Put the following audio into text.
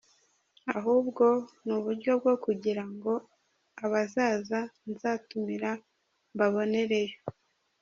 Ahubwo ni uburyo bwo kugira ngo abazaza nzatumira mbabonereyo.